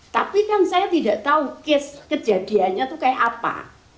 tapi saya tidak tahu kejadiannya itu seperti apa